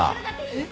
えっ？